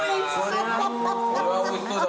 これはおいしそうだ。